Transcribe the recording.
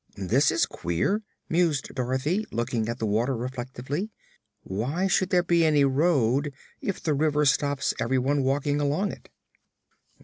"This is queer," mused Dorothy, looking at the water reflectively. "Why should there be any road, if the river stops everyone walking along it?"